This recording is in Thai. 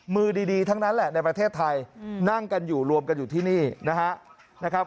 มือดีทั้งนั้นแหละในประเทศไทยนั่งกันอยู่รวมกันอยู่ที่นี่นะครับ